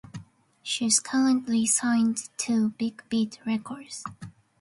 She is currently signed to Big Beat Records.